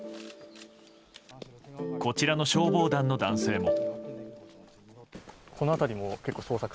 こちらの消防団の男性も。